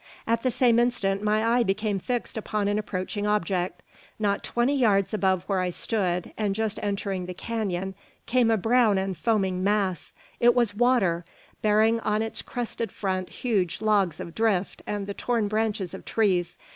At the same instant my eye became fixed upon an approaching object. Not twenty yards above where I stood, and just entering the canon, came a brown and foaming mass. It was water, bearing on its crested front huge logs of drift and the torn branches of trees.